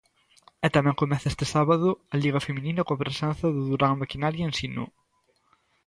E tamén comeza este sábado a Liga feminina coa presenza do Durán Maquinaria Ensino.